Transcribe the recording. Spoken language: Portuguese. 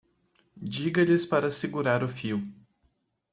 Diga-lhes para segurar o fio.